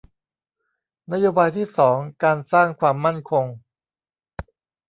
นโยบายที่สองการสร้างความมั่นคง